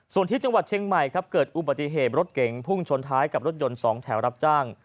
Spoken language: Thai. ส่วนที่จังหวัดเชียงใหม่ครับเกิดอุบัติเหตุรถเก๋งพุ่งชนท้ายกับรถยนต์๒แถวรับจ้าง